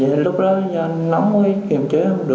vậy lúc đó nhà nóng ấy kiềm chế không được